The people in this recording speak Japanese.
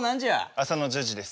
朝の１０時です。